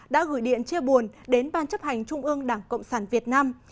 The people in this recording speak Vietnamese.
đã gửi điện chia buồn đến ban chấp hành trung ương đảng cộng sản việt nam